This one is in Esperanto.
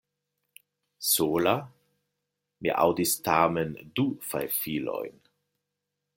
Sola!? Mi aŭdis tamen du fajfilojn.